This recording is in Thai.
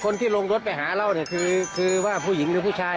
คนที่ลงรถไปหาเล่าเนี่ยคือว่าผู้หญิงหรือผู้ชาย